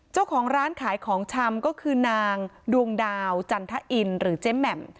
เจ้าของร้านขายของชำก็คือนางดวงดาวจันทะอินหรือเจ๊แหม่ม